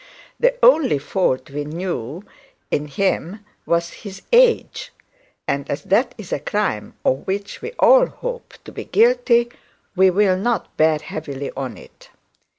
The only fault we knew in him was his age, and as that is a crime of which we may all hope to be guilty, we will not bear heavily on it.